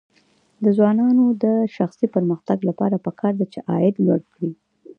د ځوانانو د شخصي پرمختګ لپاره پکار ده چې عاید لوړ کړي.